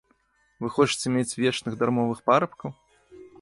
Вы хочаце мець вечных дармовых парабкаў?